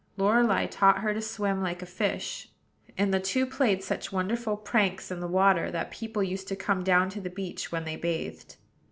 Lorelei taught her to swim, like a fish; and the two played such wonderful pranks in the water that people used to come down to the beach when they bathed.